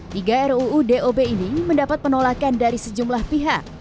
tiga ruu dob ini mendapat penolakan dari sejumlah pihak